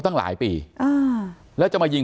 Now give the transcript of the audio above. ขอบคุณมากครับขอบคุณมากครับ